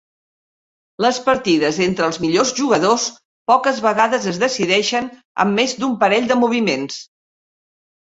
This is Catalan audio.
Les partides entre els millors jugadors poques vegades es decideixen amb més d'un parell de moviments.